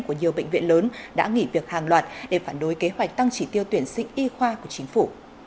của nhiều bệnh viện lớn đã nghỉ việc hàng loạt để phản đối kế hoạch tăng chỉ tiêu tuyển sinh y khoa của chính phủ